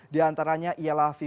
di antaranya ialah fifa